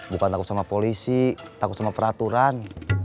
bukan takut sama polisi takut sama peraturan